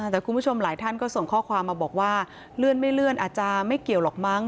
แต่คุณผู้ชมหลายท่านก็ส่งข้อความมาบอกว่าเลื่อนไม่เลื่อนอาจจะไม่เกี่ยวหรอกมั้ง